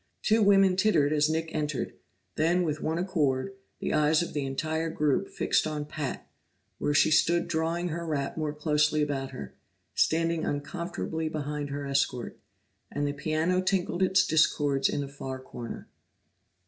Two women tittered as Nick entered; then with one accord, the eyes of the entire group fixed on Pat, where she stood drawing her wrap more closely about her, standing uncomfortably behind her escort. And the piano tinkled its discords in the far corner.